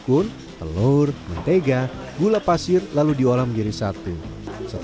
untuk membuat kuah egg roll dari buah sukun ini agak rumit